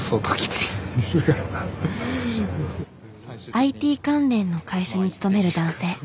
ＩＴ関連の会社に勤める男性。